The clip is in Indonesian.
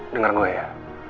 dengar gue ya